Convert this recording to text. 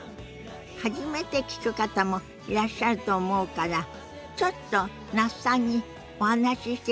初めて聞く方もいらっしゃると思うからちょっと那須さんにお話ししていただきましょ。